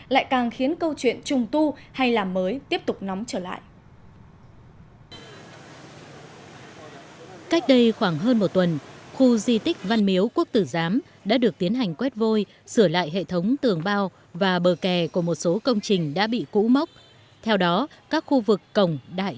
lại càng khiến câu chuyện trùng tu hay làm mới tiếp tục nóng trở lại